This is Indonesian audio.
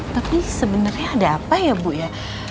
tapi sebenarnya ada apa ya bu ya